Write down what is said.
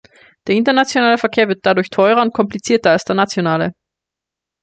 Der internationale Verkehr wird dadurch teurer und komplizierter als der nationale.